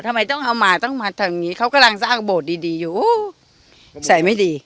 ทำไมต้องเอามาต้องมาทางนี้เขากำลังสร้างโบสถดีดีอยู่ใส่ไม่ดี